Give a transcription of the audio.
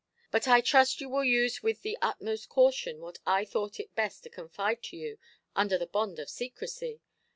But I trust you will use with the utmost caution what I thought it best to confide to you, under the bond of secrecy.